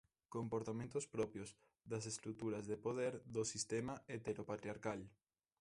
Comportamentos propios das estruturas de poder do sistema heteropatriarcal.